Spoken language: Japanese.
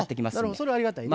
それはありがたいね。